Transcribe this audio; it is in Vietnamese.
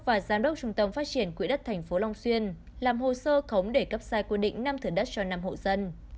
và giám đốc trung tâm phát triển quỹ đất tp long xuyên làm hồ sơ khống để cấp sai quy định năm thửa đất cho năm hộ dân